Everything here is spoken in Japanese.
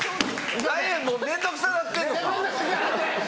何やもう面倒くさなってるのか。